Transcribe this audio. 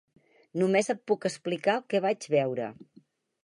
Només et puc explicar el que vaig veure.